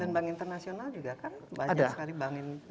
dan bank internasional juga kan banyak sekali bank yang